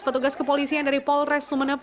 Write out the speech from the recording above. petugas kepolisian dari polres sumeneb